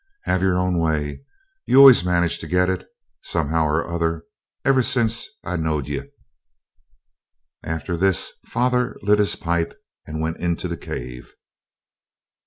Have your own way. You always managed to get it, somehow or other, ever since I knowed ye.' After this father lit his pipe and went into the cave.